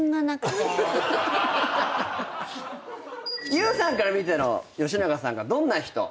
ＹＯＵさんから見ての吉永さんがどんな人？